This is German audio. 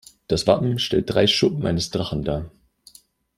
Das Wappen stellt drei Schuppen eines Drachen dar.